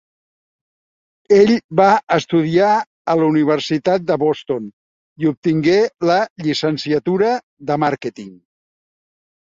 Ell va estudiar a la Universitat de Boston i obtingué la Llicenciatura de Màrqueting.